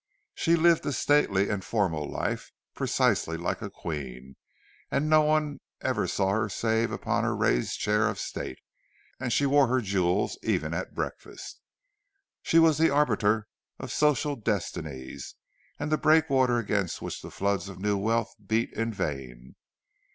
She lived a stately and formal life, precisely like a queen; no one ever saw her save upon her raised chair of state, and she wore her jewels even at breakfast. She was the arbiter of social destinies, and the breakwater against which the floods of new wealth beat in vain.